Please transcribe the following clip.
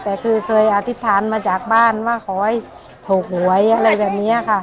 แต่คือเคยอธิษฐานมาจากบ้านว่าขอให้ถูกหวยอะไรแบบนี้ค่ะ